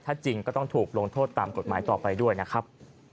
ถ้าจริงก็ต้องถูกลงโทษตามกฎหมายต่อไปด้วยนะครับ